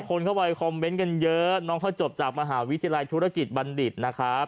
คนเข้าไปคอมเมนต์กันเยอะน้องเขาจบจากมหาวิทยาลัยธุรกิจบัณฑิตนะครับ